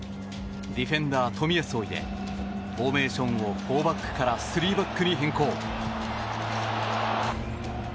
ディフェンダー、冨安を入れフォーメーションを４バックから３バックに変更。